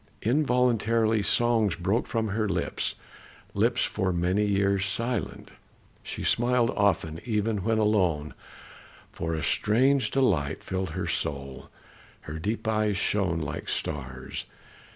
Involuntarily songs broke from her lips, lips for many years silent; she smiled often even when alone, for a strange delight filled her soul, her deep eyes shone like stars.